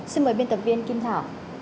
xin mời biên tập viên kim thảo